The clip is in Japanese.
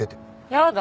やだ！